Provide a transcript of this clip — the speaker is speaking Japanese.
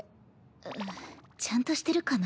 うっちゃんとしてるかな？